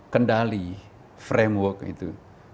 kendali framework itu